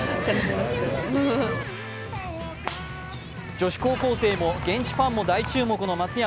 女子高校生も現地ファンも大注目の松山。